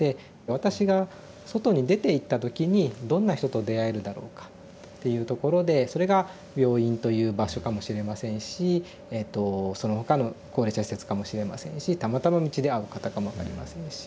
私が外に出ていった時にどんな人と出会えるだろうかっていうところでそれが病院という場所かもしれませんしそのほかの高齢者施設かもしれませんしたまたま道で会う方かも分かりませんし。